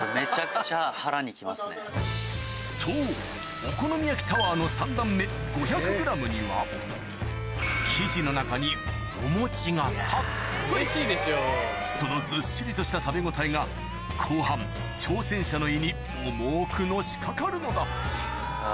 そうお好み焼きタワーの３段目５００ｇには生地の中にお餅がたっぷりそのずっしりとした食べ応えが後半挑戦者の胃に重くのしかかるのだあぁ。